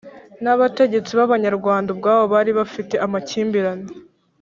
N'abategetsi b'Abanyarwanda ubwabo bari bafite amakimbirane